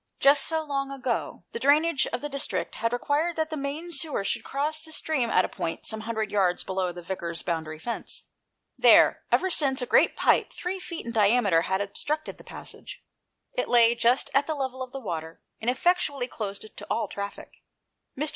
Just so long ago the drainage of the district had required that the main sewer should cross the stream at a point some hundred yards below the Vicar's boundary fence. There, ever since, a great pipe three feet in diameter had obstructed the passage. It lay just at the level of the water, and effectually closed it to all traffic. Mr.